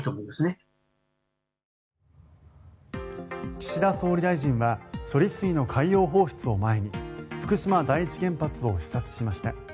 岸田総理大臣は処理水の海洋放出を前に福島第一原発を視察しました。